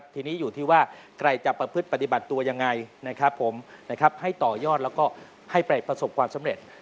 ทีนี้อยู่ที่ว่าใครจะประพฤติปฏิบัติตัวยังไงนะครับผมให้ต่อยอดแล้วก็ให้ไปประสบความสำเร็จ